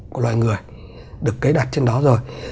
của loài người được kế đặt trên đó rồi